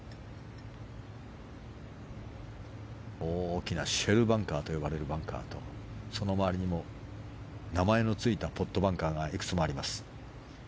大きなシェルバンカーと呼ばれるバンカーとその周りにも、名前のついたポットバンカーがいくつもあります。